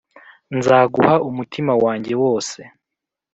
nzaguha umutima wanjye wose,